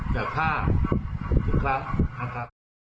จากภาพทุกครั้งนะครับ